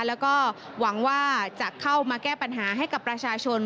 แล้วก็หวังว่าจะเข้ามาแก้ปัญหาให้กับประชาชน